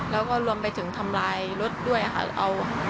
แล้วก็รวมไปถึงทำลายรถด้วยค่ะ